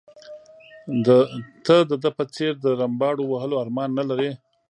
ته د ده په څېر د رمباړو وهلو ارمان نه لرې.